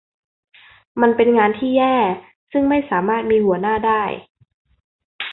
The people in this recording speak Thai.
มันเป็นงานที่แย่ ซึ่งไม่สามารถมีหัวหน้าได้